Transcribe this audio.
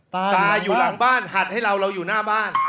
ตายอยู่หลังบ้านหัดให้เราเราอยู่หน้าบ้าน